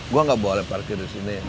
gue gak boleh parkir disini